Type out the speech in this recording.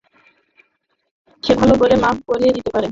সে ভালো করে সাফ করিয়ে দেব এখন।